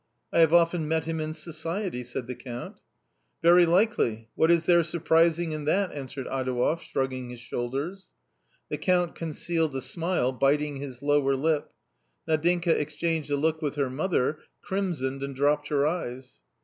" I have often met him in society," said the Count. " Very likely. What is there surprising in that ?" answered Adouev, shrugging his shoulders. The Count concealed a smile, biting his lower lip. Nadinka exchanged a look with her mother, crimsoned and dropped her eyes.